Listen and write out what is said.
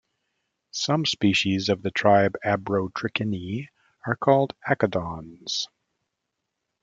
Some species of the tribe Abrotrichini are called akodons.